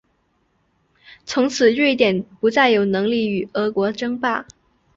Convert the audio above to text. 从此瑞典不再有能力与俄国争霸。